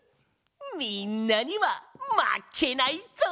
みんなにはまけないぞ！